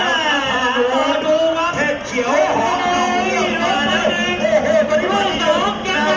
ท่านทำงานมาส่งจุดละ๔ท่านทำงานและเวลาที่๔เป็นท่านทำงาน